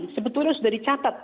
sebetulnya sudah dicatat